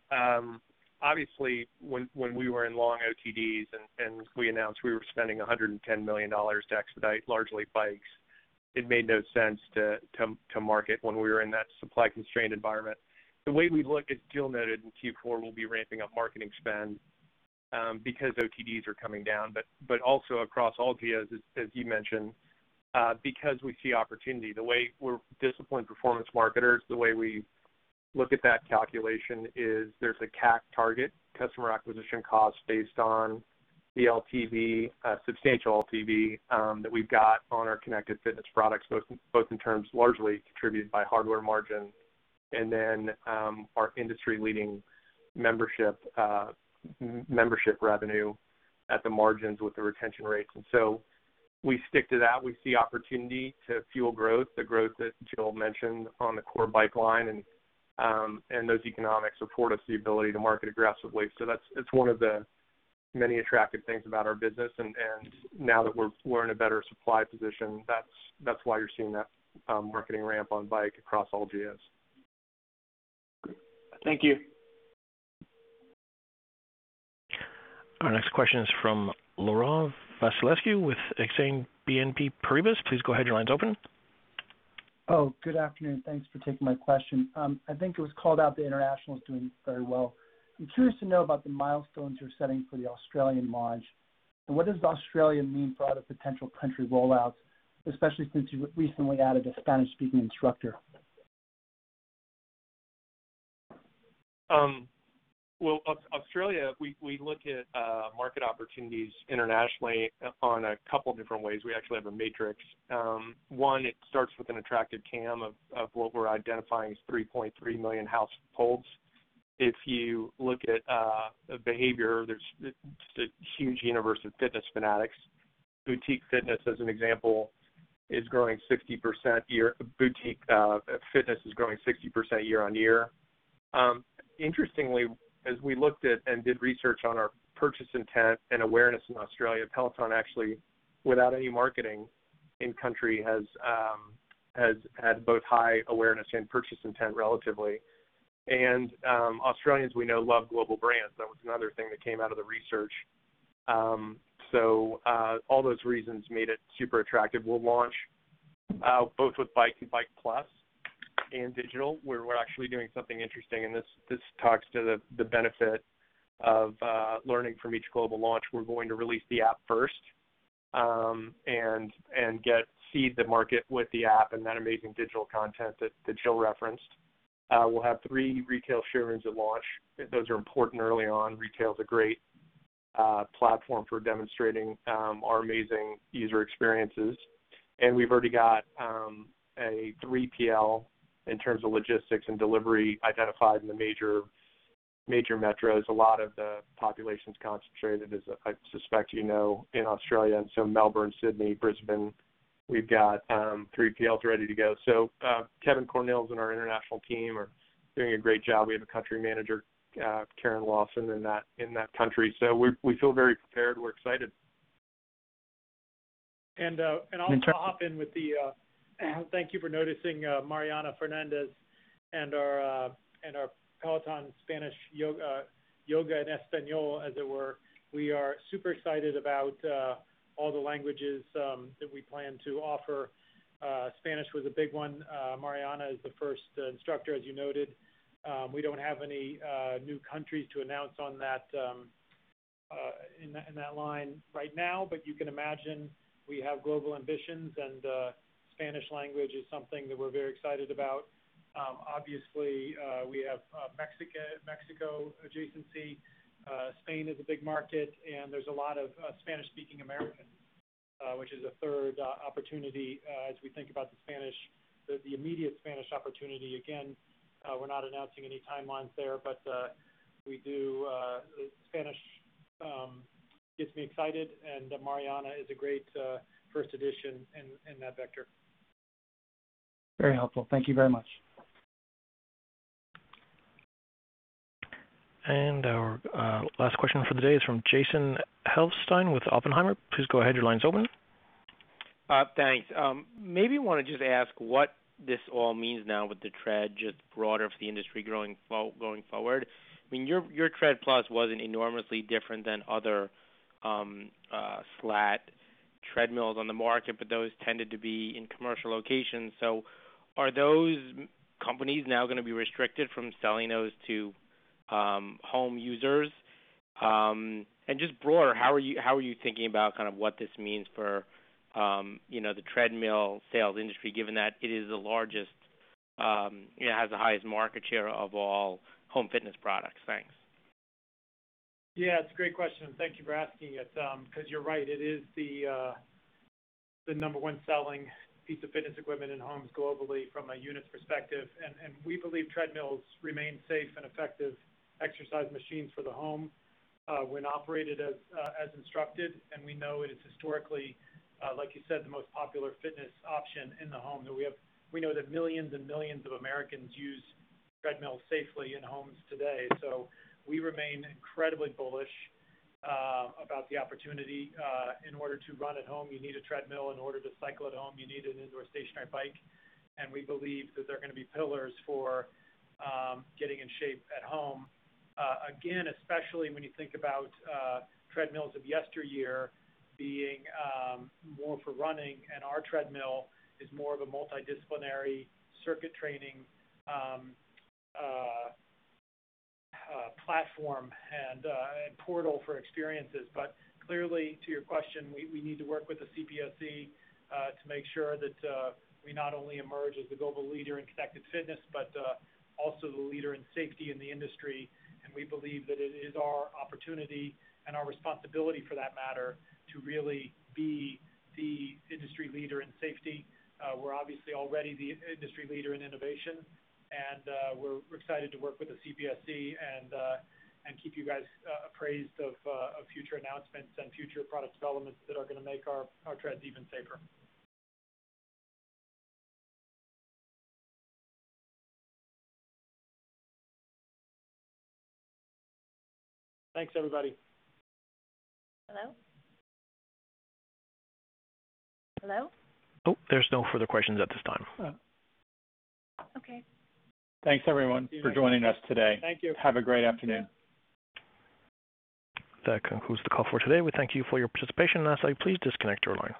Obviously, when we were in long OTDs and we announced we were spending $110 million to expedite largely Bikes, it made no sense to market when we were in that supply-constrained environment. The way we look, as Jill noted in Q4, we'll be ramping up marketing spend, because OTDs are coming down, but also across all Geos, as you mentioned, because we see opportunity. The way we're disciplined performance marketers, the way we look at that calculation is there's a CAC target, customer acquisition cost, based on the LTV, substantial LTV, that we've got on our connected fitness products, both in terms largely contributed by hardware margin and then our industry-leading membership revenue at the margins with the retention rates. We stick to that. We see opportunity to fuel growth, the growth that Jill mentioned on the core Bike line. Those economics afford us the ability to market aggressively. That's one of the many attractive things about our business. Now that we're in a better supply position, that's why you're seeing that marketing ramp on Bike across all Geos. Thank you. Our next question is from Laurent Vasilescu with Exane BNP Paribas. Please go ahead. Your line's open. Oh, good afternoon. Thanks for taking my question. I think it was called out the international is doing very well. I'm curious to know about the milestones you're setting for the Australian launch. What does Australia mean for other potential country rollouts, especially since you recently added a Spanish-speaking instructor? Well, Australia, we look at market opportunities internationally on a couple different ways. We actually have a matrix. One, it starts with an attractive TAM of what we're identifying as 3.3 million households. If you look at behavior, there's just a huge universe of fitness fanatics. Boutique fitness, as an example, is growing 60% year-on-year. Interestingly, as we looked at and did research on our purchase intent and awareness in Australia, Peloton actually, without any marketing in country, has had both high awareness and purchase intent relatively. Australians, we know, love global brands. That was another thing that came out of the research. All those reasons made it super attractive. We'll launch both with Bike and Bike+. Digital, where we're actually doing something interesting, and this talks to the benefit of learning from each global launch. We're going to release the app first, and seed the market with the app and that amazing digital content that Jill referenced. We'll have three retail showrooms at launch. Those are important early on. Retail is a great platform for demonstrating our amazing user experiences. We've already got a 3PL in terms of logistics and delivery identified in the major metros. A lot of the population is concentrated, as I suspect you know, in Australia, and so Melbourne, Sydney, Brisbane, we've got 3PLs ready to go. Kevin Cornils and our international team are doing a great job. We have a Country Manager, Karen Lawson, in that country. We feel very prepared. We're excited. I'll hop in with the... Thank you for noticing Mariana Fernández and our Peloton Spanish Yoga, Yoga en Español, as it were. We are super excited about all the languages that we plan to offer. Spanish was a big one. Mariana is the first instructor, as you noted. We don't have any new countries to announce in that line right now. You can imagine we have global ambitions, and Spanish language is something that we're very excited about. Obviously, we have Mexico adjacency. Spain is a big market, and there's a lot of Spanish-speaking Americans, which is a third opportunity as we think about the immediate Spanish opportunity. Again, we're not announcing any timelines there, but Spanish gets me excited, and Mariana is a great first edition in that vector. Very helpful. Thank you very much. Our last question for the day is from Jason Helfstein with Oppenheimer. Please go ahead. Your line is open. Thanks. Maybe want to just ask what this all means now with the Tread, just broader for the industry going forward. Your Tread+ wasn't enormously different than other slat treadmills on the market, but those tended to be in commercial locations. Are those companies now going to be restricted from selling those to home users? Just broader, how are you thinking about what this means for the treadmill sales industry, given that it has the highest market share of all home fitness products? Thanks. It's a great question. Thank you for asking it, because you're right, it is the number one selling piece of fitness equipment in homes globally from a units perspective. We believe treadmills remain safe and effective exercise machines for the home when operated as instructed. We know it is historically, like you said, the most popular fitness option in the home. We know that millions and millions of Americans use treadmills safely in homes today. We remain incredibly bullish about the opportunity. In order to run at home, you need a treadmill. In order to cycle at home, you need an indoor stationary bike. We believe that they're going to be pillars for getting in shape at home. Especially when you think about treadmills of yesteryear being more for running, our treadmill is more of a multidisciplinary circuit training platform and portal for experiences. Clearly, to your question, we need to work with the CPSC to make sure that we not only emerge as the global leader in connected fitness, but also the leader in safety in the industry. We believe that it is our opportunity and our responsibility, for that matter, to really be the industry leader in safety. We're obviously already the industry leader in innovation, we're excited to work with the CPSC and keep you guys appraised of future announcements and future product developments that are going to make our treads even safer. Thanks, everybody. Hello? Hello? Oh, there's no further questions at this time. Okay. Thanks, everyone, for joining us today. Thank you. Have a great afternoon. That concludes the call for today. We thank you for your participation. Please, disconnect your lines.